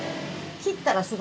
切ったら？